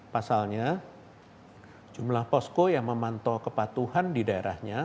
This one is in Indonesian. pasalnya jumlah posko yang memantau kepatuhan di daerahnya